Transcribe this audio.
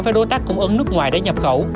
với đối tác cung ứng nước ngoài để nhập khẩu